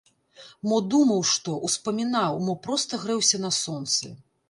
Мо думаў што, успамінаў, мо проста грэўся на сонцы.